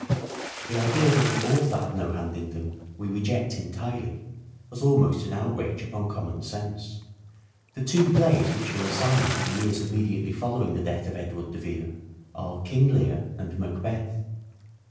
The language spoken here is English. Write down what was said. The idea that the author had no hand in them we reject[entirely, as almost an outrage upon common sense. The two plays which are assigned to the years immediately following the death of Edward de Vere are " King Lear " and " Macbeth."